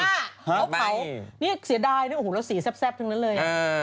นี่เสียดายนะแล้วสีแซ่บทั้งนั้นเลย